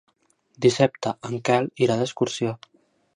Dissabte en Quel irà d'excursió.